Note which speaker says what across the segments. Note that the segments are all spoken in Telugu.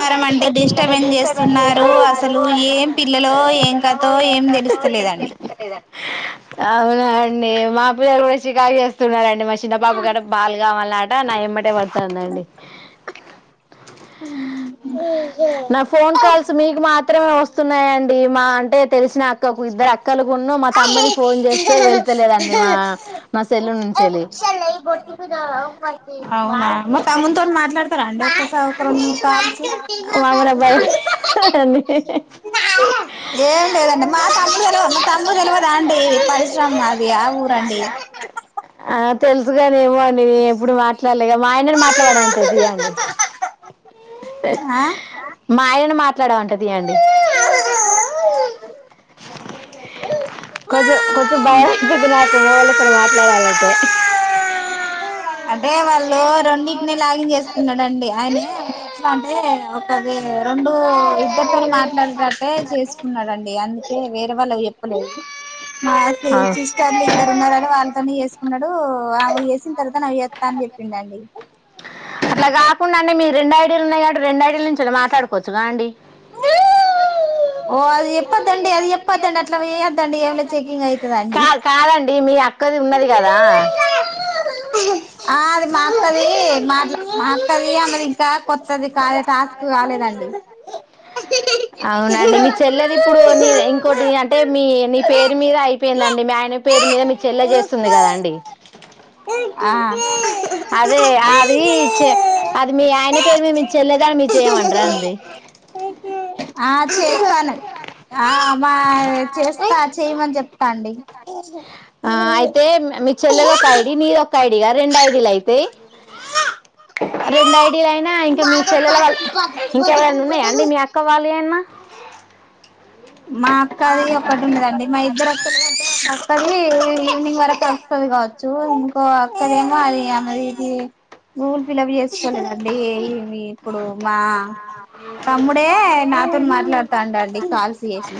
Speaker 1: కారం అండి డిస్టర్బెన్ చేస్తున్నారు అసలు ఏం పిల్లలో ఏం కథో ఏం తెలు స్త లేదండి
Speaker 2: అవునా అండి మా పిల్లలు గూడా శికాకు చేస్తున్నారండి మ చిన్నపాప గట పాలు గావాల్నాట నా ఎమ్మటే వడ్తాందండి త్రమే వస్తున్నాయండి మా అంటె తెలిసిన అక్కకు ఇద్దరు అక్కలు వున్ను మా తమ్ముని ఫోన్ చేస్తే వెళ్తలేదండి మా మా సెల్లును
Speaker 1: అవునా మా తమ్ముని తొని మాట్లాడతారా అండి ఒకసా ఒక రెండు ముడు [unintelligible]
Speaker 2: మామనబ్బాయ్ అండి
Speaker 1: ఏం లేదండి మా తమ్ముడు తెల్వ మా తమ్ముడు తెల్వదా అండి పరిశ్రమ అది ఆ ఊరండి
Speaker 2: ఆ అ తెలుసుగాని ఎమో అండి నేనేప్పుడు మాట్లాడలే ఇగా మా ఆయనని మాట్లాడవంట తీయండి
Speaker 1: ఆ
Speaker 2: మా ఆయనను మాట్లాడమంట తీయండి కొంచెం కొంచెం భయమైతుంది నాకు మొగొళ్ళ తొటి మాట్లాడాలంటే
Speaker 1: అంటే వాళ్ళు రెండింటినీ లాగిన్ చేసుకున్నాడండి అయనే ఎట్లంటే ఒకది రెండు ఇద్దరు తొనే మాట్లాడెటట్టే చేసుకున్నాడండి అన్ టే వేరే వాళ్ళకి చెప్పలేదు మాకి
Speaker 2: అవును
Speaker 1: సిస్టర్లు ఇద్దరు ఉన్నారని వాళ్ళతోనే చేసుకున్నడు ఆవి వేసిన తరు త నాకు జేత్తా అని చెప్పిండండి
Speaker 2: అట్లకాకుండా మీరు రెండు ఐడీలు ఉన్నాయి కాబట్టి రెండు ఐడిల నుంచి మాట్లాడుకోవచ్చునా అండి
Speaker 1: ఓ అది చెప్పోద్దండి అది చెప్పద్దండి అట్లా వేయొద్దండి ఏమ్ లే చెకింగ్ అయితదండి
Speaker 2: డి మీ అక్కది ఉన్నది కదా
Speaker 1: ఆ అది మా అక్కది మాట్ల్ మా అక్కది ఆమెది ఇంకా కొత్తది కాలే టాస్క్ కాలేద అండి
Speaker 2: అవునా అండి మీ చెల్లెది ఇప్పుడు నిది ఇంకోటి అంటే మీ నీ పేరు మీద అయిపోయిందండి మీ ఆయన పేరు మీద మీ చెల్ల చేస్తుంది గదా అండి
Speaker 1: ఆ
Speaker 2: అరే ఆది చె అది మీ ఆయన పేరు మీద్ మీ చెల్లేదాని మీద చెయమంట్ర అండి
Speaker 1: అద్ ఆ మా చేస్తా చేయ్మని చెప్తాండి
Speaker 2: ఆ అయితే మీ చెల్లెద్ ఒక ఐడి నీ ఒక ఐడిగా రెండు ఐడీలు అయితేయ్ రెండు ఐడిలు అయినా ఇంకా మీ చెల్లెల వాళ్ళ ఇంకెవరనా ఉన్నాయా అండి మీ అక్క వాళ్ పేనా
Speaker 1: మా అక్క అది ఒకటి ఉన్నదండి మా ఇద్దరక్కలక్ అయితే కొత్తది ఇ ఈవినింగ్ వరకు అస్తది కావచ్చు ఇంకో అక్కడేమో అది ఆమె ఇది గూగుల్ పిల్లప్ చేస్కోలేదండి ఇది ఇప్పుడు మా తమ్ముడే నాతో మాట్లాడ్తాండండి కాల్స్ చేసి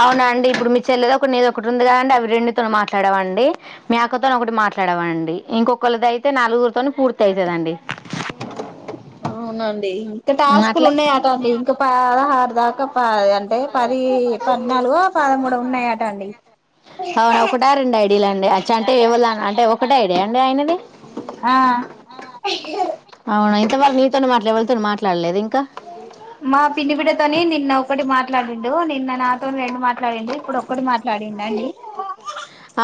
Speaker 2: అవ్న అండి ఇప్పుడు మీ చెల్లేద్ ఒకట్ నిద్ ఒకట్ ఉంది కదండి అవి రెండితో మాట్లాడామండి మీ అక్కతో ఒకటి మాట్లాడమండి ఇంకోకల్దయితే నాల్గుర్తోని పూర్తి అయితదండి
Speaker 1: అవునం ఇంకా టాస్కులు
Speaker 2: అట్లే
Speaker 1: ఉన్నాయాట అండి ఇంకా పదహారు దాకా అంటే పది పద్నాల్ ఒ పదముడో ఉన్నాయట అండి
Speaker 2: అవ్నా ఒకటా రెండ ఐడిల అండి అచ్చ అంటే ఎవళ్ అంటే ఒకటే ఐడియా అండి ఆయ్నది
Speaker 1: ఆ
Speaker 2: ఇంకవళ్ మీతోన్ మాట్లే ఎవల్ వాళ్ళతో మాట్లాడ్లేద ఇంకా
Speaker 1: మా పినీ బిడతోని నిన్న ఒకటి మాట్లాడిండు నిన్న నా తొని రెండు మాట్లాడిండు ఇప్పుడు ఒక్కటి మాట్లాడిండు అండి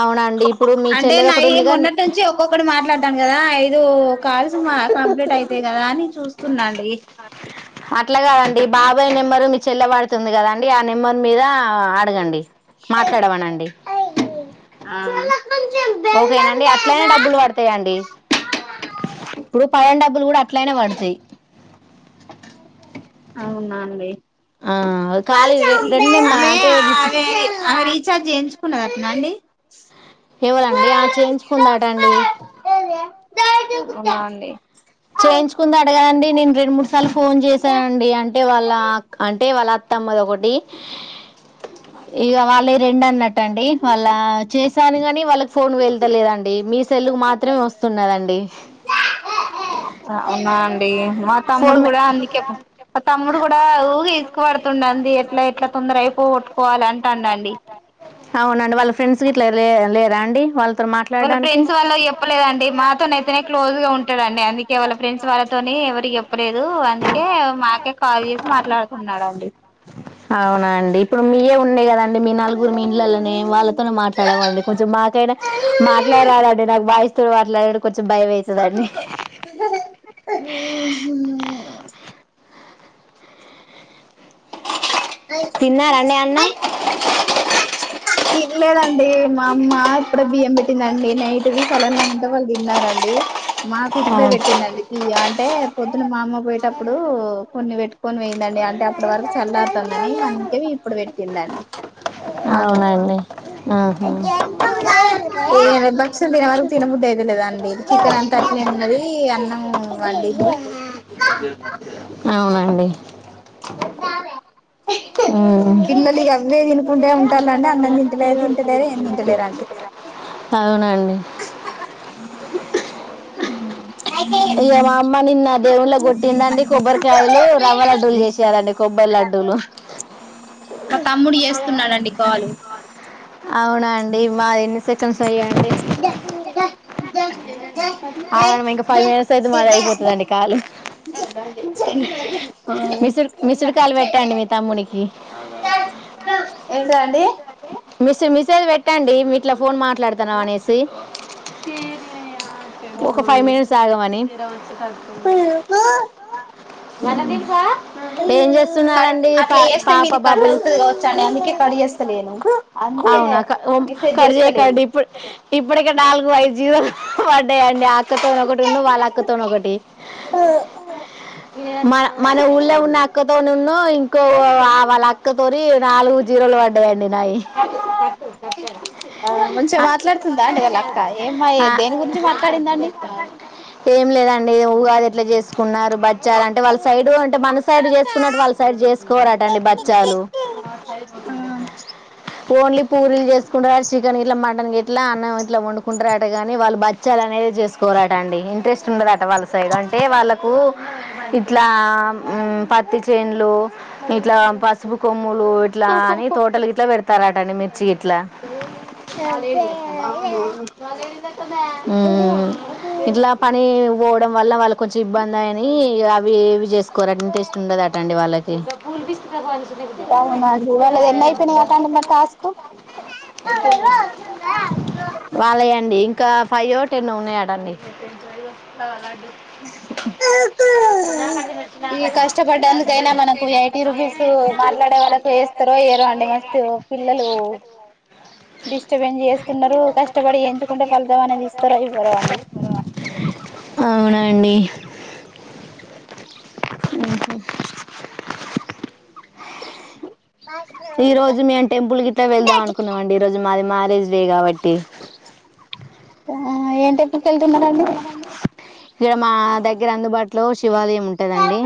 Speaker 2: అవ్న అండి ఇప్పుడు మీ
Speaker 1: అంటే
Speaker 2: చెల్లెది ఒకటి
Speaker 1: నాయి
Speaker 2: ఉంది కానీ
Speaker 1: మొన్నటి నుంచి ఒక్కొక్కటి మాట్లాడ్డాను కదా ఐదు కాల్స్ మ కంప్లీట్ అయితాయి కదా ఆని చూస్తున్నాండి
Speaker 2: అ అట్లా కాదండి బాబాయ్ నెంబరు మీ చెల్లె వడ్తుంది కదండి ఆ నెంబర్ మీద అడగండి మాట్లాడవనండి
Speaker 1: ఆ
Speaker 2: ఓకేనండి అట్లయిన డబ్బులు వడ్తాయండి ఇప్పుడు పయన డబ్బులు కూడా అట్లయిన పడ్తయి
Speaker 1: అవున అండీ
Speaker 2: ఖాళీ రె రెండేమ్మా
Speaker 1: తనే
Speaker 2: అంటే మీ చి
Speaker 1: ఆదే అది రీఛార్జ్ చెయించ్ కున్నదట్నా అండి
Speaker 2: ఎవరండి ఆ చేయించుకుందాట అండి
Speaker 1: అవ్న అండి
Speaker 2: చేయించుకుందటా గాదండి నేన్ రెండు మూడు సార్లు ఫోన్ చేశానండి అంటే వాళ్ళ క్ అంటే వాళ్ళ క్ తమ్మద్ ఒకటి ఇగా వాళ్ళై రెండు అన్నటండి వాళ్ళ చేసి తాంది గాని వాళ్ళకి ఫోన్ వెళ్తలేదండి మీ సెల్లుకు మాత్రమే ఒస్తున్నదండి
Speaker 1: అవ్నా అండి మా
Speaker 2: ఫోర్
Speaker 1: తమ్ముడు
Speaker 2: మే
Speaker 1: కూడా అందుకే మా తమ్ముడు కూడా ఊగే తీస్కు పడుతుండండి ఎట్లా ఎట్లా తొందర్ అయిపోగొట్టుకోవాల అంటండండి
Speaker 2: అవ్నండి వాళ్ళ ఫ్రెండ్స్ గిట్లా లే లేరా అండి వాళ్
Speaker 1: వాళ్ళ ఫ్రెండ్స్ వాళ్ళ చెప్పలేదండి మాతోనైతేనే క్లోజ్ గా ఉంటడండి అందిక్ ఇగ వాళ్ళ ఫ్రెండ్స్ వాళ్ళతోని ఎవరి చెప్పలేదు అందుకే మాకే కాల్ చేసి మాట్లాడుకున్నాడండి
Speaker 2: అవ్నా అండి ఇప్పుడు మీయే ఉం మీ నలుగుర్ మీ ఇండ్లలోనే వాళ్ళతో మాట్లాడేవాడి కొంచెం మాకైనా మాట్లాడరాదండి నాకు బాయిస్ తో మాట్లాడుడు కొంచెం భయం అయితదండీ
Speaker 1: ఓహో
Speaker 2: తిన్నారండి అన్నం
Speaker 1: తిన్లేదం అండి మా అమ్మ ఇప్పుడే బియ్యం పెట్టిందండి నైట్ది సలన్నం ఉంటే వాళ్ళ్ తిన్నారండి మాకు ఇప్పుడే పెట్టిందండి బియ్య అంటే పొద్దున్న మా అమ్మ పోయేటప్పుడు కొన్ని పెట్కొని పోయిందండి అంటే అప్పుడ్ వర్కు చల్లర్ అని మనకేం ఇప్పుడు పెట్టిందండి నాది కూడా
Speaker 2: అవునండి ఆహా.
Speaker 1: [unintelligible] తి బోయేవరకు తిన వరకు తినబుద్దయితలేదండి చికెనంతట్నే ఉన్నది అన్నం వండింది
Speaker 2: అవునండి ఉమ్.
Speaker 1: పిల్లలిగ అవ్వే తినుకుంటే ఉంటాల్ల
Speaker 2: అవునండి
Speaker 1: మ్
Speaker 2: ఇగ మామ్మ నిన్న దేవుంలకొట్టిందండి కొబ్బరికాయలు రవ్వ లడ్డూలు చేసేయాలండి కొబ్బరి లడ్ డ్డులు
Speaker 1: మా తమ్ముడు చేస్తున్నాడండి కాలు
Speaker 2: అవునా అండి మా ఎన్ని సెకండ్స్ అయ్యాయండి
Speaker 1: ఇదా
Speaker 2: ఆగండి మేం ఇంక ఫైవ్ మినిట్స్ అయితే మాధై పోతదండి కాల్
Speaker 1: ఆ
Speaker 2: పెట్టండి మీ తమ్మునికి
Speaker 1: ఎంటిదండి
Speaker 2: మిస్ మిసేజ్ పెట్టండి మీ ఇట్లా ఫోన్ మాట్లాడుతన్నాం అనేసి ఒక ఫైవ్ మినిట్స్ ఆగమని ఏం
Speaker 1: కట్
Speaker 2: చేస్తున్నారండి
Speaker 1: అట్లా
Speaker 2: పా
Speaker 1: చేస్తే
Speaker 2: పాప
Speaker 1: మీది కట్ అవుతది
Speaker 2: బాబులు
Speaker 1: కావచ్చండి అందుకే కట్ చేస్తాలేను
Speaker 2: అవునా కర్ కర్ చెయ్ కర్ ఇప్ప-ఇప్పుటిక నాలుగు ఐదు జియోలు పడ్డాయ డి ఆ అక్కతోనొకటి ఉండు వాళ్ళక్కతోనొకటి మ మనఊళ్ళే ఉన్నా అక్కతో ను న్నో ఇంకో వాళ్ళ అక్కతోని నాలుగు జీరోలు పడ్డాయండి నాయి యి
Speaker 1: ఆ మంచిగ మాట్లాడుతుందా అండి వాళ్ళక్క ఏమ్ మాయే
Speaker 2: ఆ,
Speaker 1: దేని గురించి మాట్లాడిందండి
Speaker 2: ఏం లేదండి ఉగా ఎట్లా చేసుకున్నారు బచ్చాలంటే వాళ్ళ సైడ్ అంటే మన సైడ్ చేసుకున్నట్టు వాళ్ళ సైడ్ చేసుకోరాటండి బచ్చా లు
Speaker 1: ఆ
Speaker 2: ఓన్లీ పూరీలు చేసుకుంటారట చికెన్ గిట్ల మటన్ గిట్ల అన్నం ఇట్లా వండుకుంటారట కాని వాళ్ళు బచ్చాలనే చేసుకోరాటండి ఇంట్రెస్ట్ ఉండదట వాళ్ళ సైడ్ అంటే వాళ్ళకు ఇట్లా పత్తి చేన్లు ఇట్లా పసుపు కొమ్ మ్ములు ఇట్లా అని తోటల్ గిట్లా పెడ్ తరటండి మిర్చి గిట్లా మ్ మ్ ఇట్లా పని పోవడం వల్ల వాళ్ళ కొంచెం ఇబ్బందని గా వి ఏవి చేసుకోరాట ఇంట్రెస్ట్ ఉండదట అండి వాళ్ళకి
Speaker 1: అవునా జీ వాళ్ళది ఎన్ని అయిపోయినయట అండి మ టాస్కు
Speaker 2: వాళ్ళయండి ఇంకా ఫై ఓ టెన్ ఓ ఉన్నాయటండి
Speaker 1: ఇ కష్టపడ్డందుకైనా మనకు ఎయిటీ రుపీస్ స్ మాట్లాడే వాళ్ళకు ఎస్తారో ఏయ్యరో అండి మస్తు పిల్లలు డిస్టబెన్స్ చేస్తున్నరు కష్టపడి ఎంచుకుంటే ఫలితం అనేది ఇస్తారో ఇవ్వరో అండి
Speaker 2: అవునండి ఉ హు జు మేము టెంపుల్ గిట్లా వెళ్దాం అనుకున్నాంమండి ఈ రోజు మాది మ్యారేజ్ డే కాబట్టి
Speaker 1: ఆహ ఏ టెంప్
Speaker 2: ఇగ మా దగ్గర అందుబాటులోష్ శివాలయం ఉంటదండి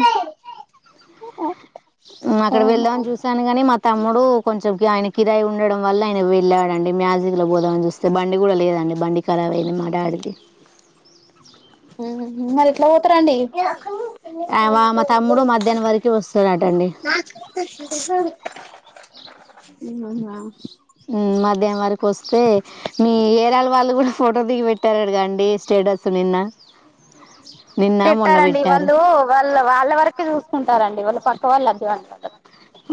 Speaker 2: అక్కడ
Speaker 1: అవునా
Speaker 2: వెళ్దాం అని చూసాను కానీ మా త మ్ముడు కొంచెం కి ఆయనకి ఇదై ఉండడం వల్ల ఆయన వెళ్ళాడండి మ్యాజి లో పోదామని చూస్తే బండి కూడా లేదండి బండి ఖరాబ్ అయింది మా డాడీ ది
Speaker 1: మరి నూతరండీ ఉ
Speaker 2: ఆ, వా- మా తమ్ముడు మధ్యాహ్నం వరకు వస్తాడటండి
Speaker 1: అవునా
Speaker 2: ఊ మధ్యాహం వరకు వస్తే మీ ఏరాళ్ళ వాళ్ళు కూడా ఫోటోల్ దిగి పెట్టారుడుగాండి స్టేటస్ నిన్న నిన్న మొన్న
Speaker 1: పెట్టరండీ
Speaker 2: పెట్టారు
Speaker 1: వాళ్ళు వాళ్ళల వరకే చూసుకుంటారండి వాళ్ళు పక్క వాళ్ళు వద్దు అనుకుంట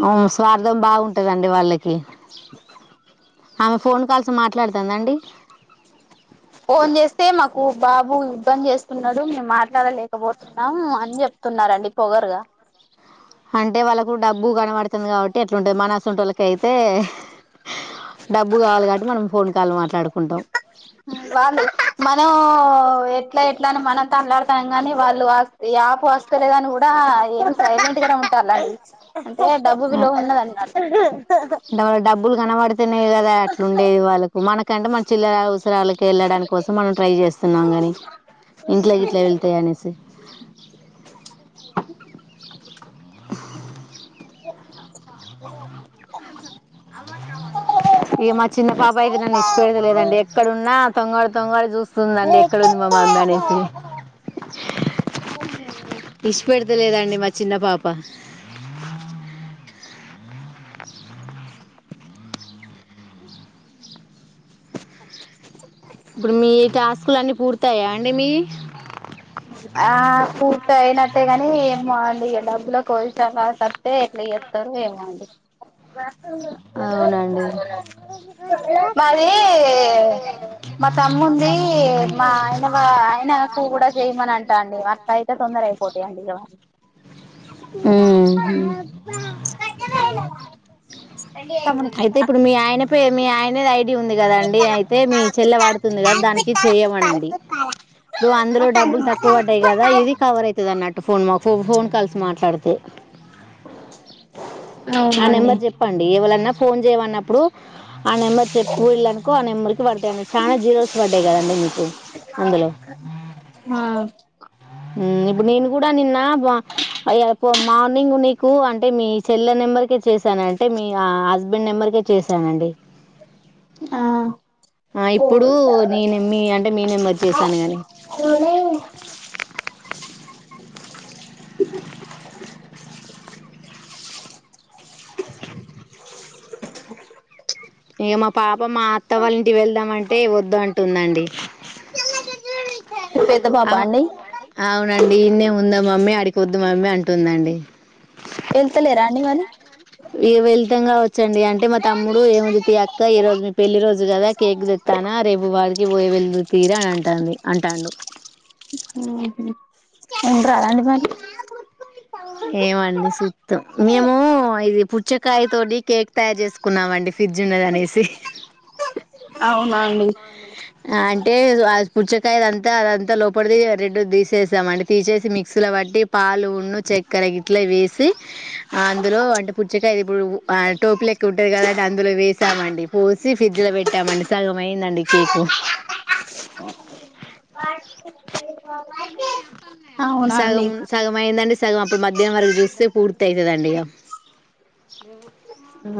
Speaker 2: ఆ స్వార్థం బావుంటాది అండి వాళ్ళకి ఆమె ఫోన్ కాల్స్ మాట్లాడుతందండి
Speaker 1: ఫోన్ చేస్తే మాకు బాబు ఇబ్బంది చేస్తున్నాడు మే మా ట్లాడ లేకపోతున్నాం అని చెప్తున్నారండి పొగరుగా
Speaker 2: అంటే వాళ్ళకు డబ్బు కనబడుతుంది కాబట్టి అట్లుంటది మనసొంటోలకయితే డబ్బు కావాలి కాబట్టి మనం ఫోన్ కాల్ మాట్లాడుకుంటాం
Speaker 1: వాళ్ళు మనం ఎట్లా ఎట్లా అని మన తట్లాడుతాం గాని వాళ్ళు ఈ ఆపు వస్తలేదని కూడా ఏం సైలెంట్ గనే ఉంటాలండి అంటే డబ్బు విలో ఉన్నదన్నమాట
Speaker 2: వాళ్లకు మనకంటే మన చిల్లర అవసరాలకు వెళ్ళడా కోసం మనం ట్రై చేస్తున్నాం గాని ఇంట్లా గిట్ల వెళ్తయ్ అనేసి హా అవ్వ కావగ్గా ఇక మా చిన్న పాప అయితే నన్ను ఇడ్చిపేతలేదు అండి ఎక్కడున్నా తొంగవడి తొంగవడి చూస్తుందండి ఎక్కడ ఇది మా మమ్మీ అనేసి ఇడ్చిపెడతలేదండి మా చిన్న పాప ఇప్పుడు మీ టేస్కులు అన్ని పూర్తాయ్యా అండి మీయి
Speaker 1: ఆ పూర్తి అయినట్టే గాని ఏమో అండి ఇగ డబ్బులకు కొలతపతతే ఎట్లా చెప్తారు ఏమో అండి
Speaker 2: అవునండి
Speaker 1: మాది మా తమ్ముంది మా ఆయన ఆయనకు కూడా చేయమని అంటా అండి అట్లా అయితే తొందర అయిపోతాయి అండి ఇగ మరి
Speaker 2: ఊహు
Speaker 1: తమ్మునికి
Speaker 2: అయితే
Speaker 1: అక్క
Speaker 2: ఇప్పుడు మీ ఆయన పేరు మీ ఆయన అయ్ డి ఉంది కదాండి అయితే మీ చెల్లె వాడుతుంది కదా దానికి చేయమనండి ఇప్పుడు అందులో డబ్బులు తక్కువ పడ్డాయి కదా ఇది కవర్ ఐతది అన్నట్టు ఫోన్ వాక్ ఫో ఫోన్ కాల్స్ మాట్లాడితే ఆ
Speaker 1: అవునా అండి
Speaker 2: నెంబర్ చెప్పండి ఎవలన్నా ఫోన్ చేయమన్నప్ ఇప్పుడు ఆ నెంబర్ చెప్పిళ్ళనుకో ఆ నెంబర్ కి పడతా చాలా జీరోస్ పడ్డాయి కదండి మీకు అందులో
Speaker 1: ఆ
Speaker 2: ఊ ఇప్పుడు నేను కూడా నిన్న మా అ యప్ పో మార్నింగ్ నీకు కూ అంటే మీ చెల్లె నెంబర్ చేశానంటే మీ హస్బెండ్ నెంబరకే చేశానండి
Speaker 1: ఆ
Speaker 2: ఆ ఇప్పుడు నేను మీ అంటే మీ నెంబర్ కి చేసాను గాని ఇగ మా పాప మా అత్త వాళ్ళ ఇంటి వెళ్దాం అంటే వద్దు అంటుందండి
Speaker 1: పెద్ద పాప
Speaker 2: అ
Speaker 1: అండి
Speaker 2: అవునండి ఇన్నే ఉందా మమ్మీ ఆడికోద్దు మమ్మీ అంటుందండి
Speaker 1: వెళ్తలేరా అండి మరి
Speaker 2: ఇగ వెళ్తాం కావా చ్చండి అంటే మా తమ్ముడు ఏముంది తీ అక్క ఈ రోజు మీ పెళ్లి రోజు కదా కేక్ తెస్తానా రేపు వాడికి పోయే వెళ్దు తీర అంటాంది అంటాడు
Speaker 1: ఉంట రాదండి మరి
Speaker 2: ఏమండి సుత్ం మేము ఇది పుచ్చకాయ తోటి కేక్ తయారు చేసుకున్నామండి ఫ్రిడ్జ్ ఉన్నదనేసి
Speaker 1: అవునా అండి
Speaker 2: ఆ అంటే ఆ పుచ్చకాయ అంతా అదంతా లోపడి రెడ్ తీసేసం అండి తీసేసి మిక్సీ లో బట్టి ప పాలు ఉన్ను చెక్ కరీగిట్లా వేసి అందులో అంటే పుచ్చకాయది ఇప్పుడు ఆ టోపి లెక్క ఉంటా కదాంట అందులో వేసామండి పోసి ఫ్రిడ్జ్ లో పెట్టామండి సగం అయిందండి కేక్
Speaker 1: అవునా
Speaker 2: సగం
Speaker 1: అండి
Speaker 2: సగం అయిందండి సగం అప్పుడు మధ్యాహ్నం వరకు చూస్తే పూర్తి అయితడండి ఇగ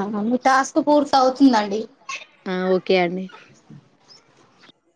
Speaker 1: ఆ మీ టాస్క్ పూర్తి అవుతుందండి
Speaker 2: ఆ ఓకే అండి